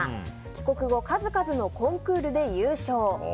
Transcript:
帰国後、数々のコンクールで優勝。